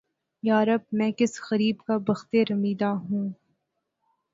یارب! میں کس غریب کا بختِ رمیدہ ہوں!